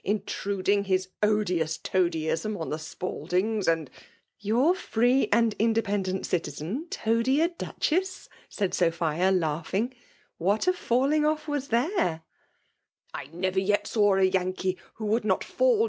intruding ha odioas toadyism on die Spaldings— and "^^ Your free and independeiit eitiaen, toady ADuchessr saadSophHw knghing. "What a &llittg <iff was Aere T* I never yet saw a Yankee; who would not fill!